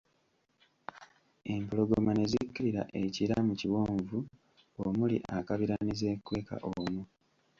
Empologoma ne zikkirira e Kira mu kiwonvu omuli akabira ne zeekweka omwo.